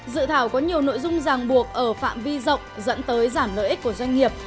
dự thảo có nhiều nội dung ràng buộc ở phạm vi rộng dẫn tới giảm lợi ích của doanh nghiệp